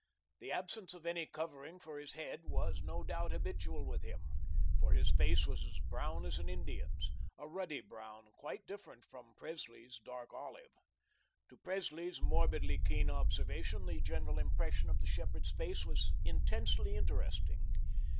The absence of any covering for his head was, no doubt, habitual with him, for his face was as brown as an Indian's a ruddy brown quite different from Presley's dark olive. To Presley's morbidly keen observation, the general impression of the shepherd's face was intensely interesting.